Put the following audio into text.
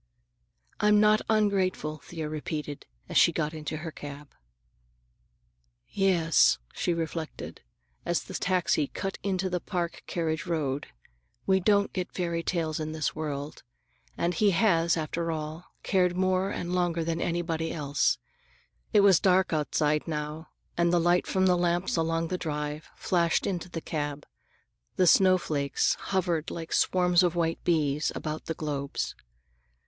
"I'm not ungrateful," Thea repeated as she got into her cab. "Yes," she reflected, as the taxi cut into the Park carriage road, "we don't get fairy tales in this world, and he has, after all, cared more and longer than anybody else." It was dark outside now, and the light from the lamps along the drive flashed into the cab. The snowflakes hovered like swarms of white bees about the globes.